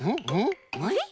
あれ？